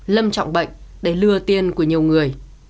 lâm trọng bệnh để lừa tiên của nhiều người